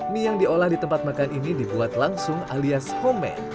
mie yang diolah di tempat makan ini dibuat langsung alias homemay